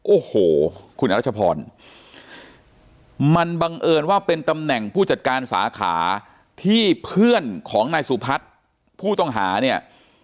โอ้โหคุณอรัชพรมันบังเอิญว่าเป็นตำแหน่งผู้จัดการสาขาที่เพื่อนของนายสุพัฒน์ผู้ต้องหาเนี่ย